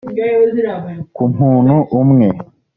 ku muntu umwe